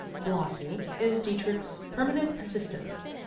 Blasi is Dietrich's permanent assistant.